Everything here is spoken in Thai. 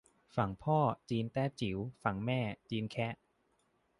ฝั่งพ่อจีนแต้จิ๋ว ฝั่งแม่จีนแคะ